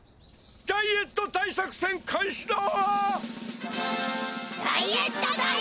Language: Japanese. ダイエット大さくせん開始だ！